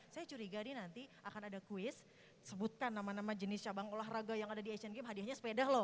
saya curiga nih nanti akan ada kuis sebutkan nama nama jenis cabang olahraga yang ada di asian games hadiahnya sepeda loh